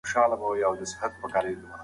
که ماشوم بیا راشي انا به ورته وگوري.